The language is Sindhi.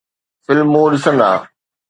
فلمون ڏسندا